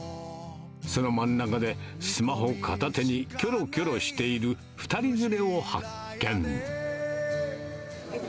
その真ん中で、スマホ片手にきょろきょろしている２人連れを発見。